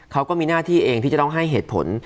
เขาก็มีหน้าที่เองที่จะต้องให้เหตุผล